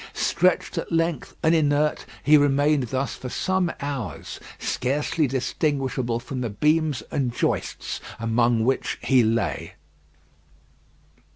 Stretched at length and inert, he remained thus for some hours, scarcely distinguishable from the beams and joists among which he lay.